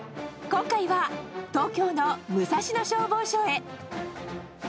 今回は、東京の武蔵野消防署へ。